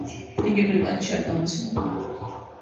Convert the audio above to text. იგი ბრიტანეთში არ გამოცემულა.